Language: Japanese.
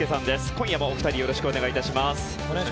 今夜もお二人よろしくお願いいたします。